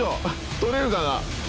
とれるかな？